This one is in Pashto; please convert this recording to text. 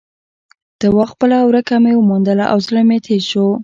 ته وا خپله ورکه مې وموندله او زړه مې تیز شو.